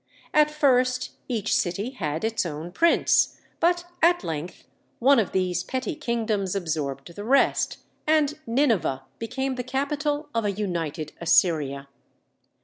At first each city had its own prince, but at length one of these petty kingdoms absorbed the rest, and Nineveh became the capital of a united Assyria.